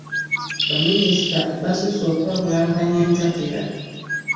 Ba minisita basusse okwebulankanya entakera.